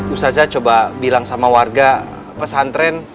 usazah coba bilang sama warga pesantren